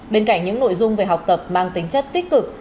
bên cạnh những nội dung về học tập mang tính chất tích cực